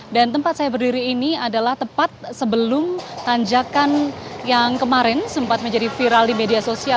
dan tempat saya berdiri ini adalah tempat sebelum tanjakan yang kemarin sempat menjadi viral di media sosial